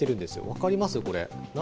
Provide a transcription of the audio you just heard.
分かります、これ。